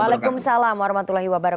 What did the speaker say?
waalaikumsalam warahmatullahi wabarakatuh